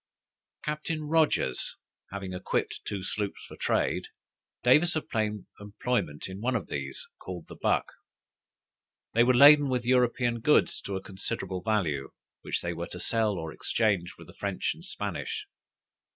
Captain Rogers having equipped two sloops for trade, Davis obtained employment in one of these, called the Buck. They were laden with European goods to a considerable value, which they were to sell or exchange with the French and Spanish.